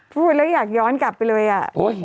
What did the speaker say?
พูดแล้วอยากย้อนกลับไปเลยอ่ะ